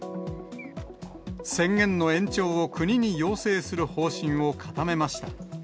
宣言の延長を国に要請する方針を固めました。